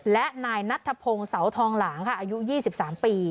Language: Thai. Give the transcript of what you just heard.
และนายนัทธพงศ์เสาทองหลางค่ะอายุยี่สิบสามปี